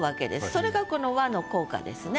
それがこの「は」の効果ですね。